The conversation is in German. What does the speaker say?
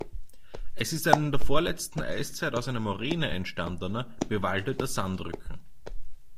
Es ist ein in der vorletzten Eiszeit aus einer Moräne entstandener, bewaldeter Sandrücken.